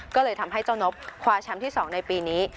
ก็เลยทำให้เจ้านบคว้าแชมป์ที่๒ในปีนี้